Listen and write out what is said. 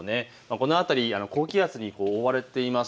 この辺り、高気圧に覆われています。